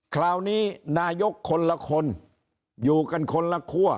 คราวนี้นายกคนละคนอยู่กันคนละคั่ว